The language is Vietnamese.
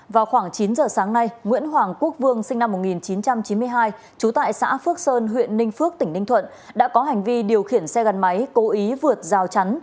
vào khoảng chín giờ sáng nay nguyễn hoàng quốc vương sinh năm một nghìn chín trăm chín mươi hai trú tại xã phước sơn huyện ninh phước tỉnh ninh thuận đã có hành vi điều khiển xe gắn máy cố ý vượt rào chắn